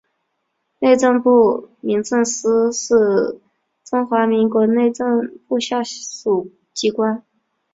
内政部民政司是中华民国内政部下属机关。